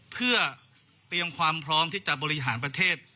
เพื่อเตรียมความพร้อมที่จะบริหารประเทศ